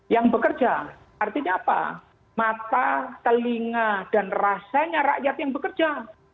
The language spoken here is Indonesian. yang bekerja artinya apa mata telinga dan rasanya rakyat yang bekerja